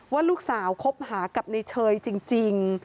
ว่าลูกสาวคบหากับในเชยจริง